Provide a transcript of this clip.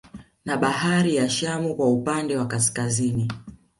Na bahari ya Shamu kwa upande wa Kaskazini